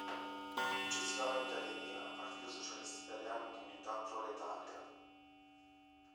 Successivamente aderì al Partito Socialista Italiano di Unità Proletaria.